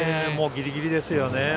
ギリギリですよね。